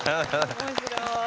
面白い。